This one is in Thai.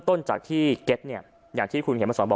พระเจ้าอาวาสกันหน่อยนะครับ